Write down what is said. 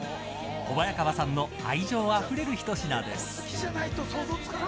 小早川さんの愛情あふれるひと品です。